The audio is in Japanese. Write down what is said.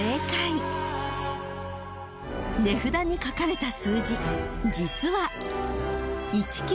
［値札に書かれた数字実は］